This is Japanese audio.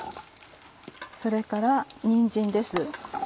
それからにんじんです。